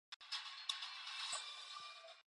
그보다도 앓는 아내에게 설렁탕 한 그릇도 사다 줄 수 있음이다.